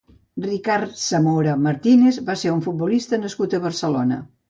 Ricard Zamora Martínez va ser un futbolista nascut a Barcelona.